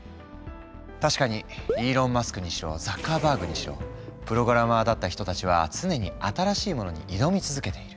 確かにイーロン・マスクにしろザッカーバーグにしろプログラマーだった人たちは常に新しいものに挑み続けている。